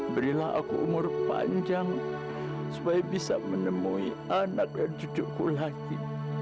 berilah aku umur panjang supaya bisa menemui anak dan cucuku lagi